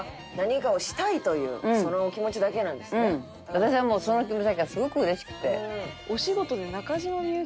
私はもうその気持ちだけがすごく嬉しくて。